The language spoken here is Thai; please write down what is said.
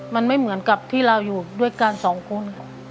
มันไม่เหมือนกับที่เราอยู่ด้วยกันสองคน